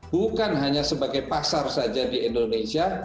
bukan hanya sebagai pasar saja di indonesia